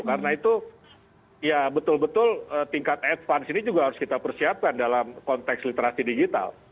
karena itu ya betul betul tingkat advance ini juga harus kita persiapkan dalam konteks literasi digital